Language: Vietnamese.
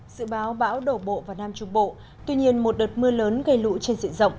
dự báo bão đổ bộ vào nam trung bộ tuy nhiên một đợt mưa lớn gây lũ trên diện rộng